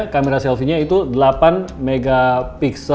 kamera selfie nya itu delapan mp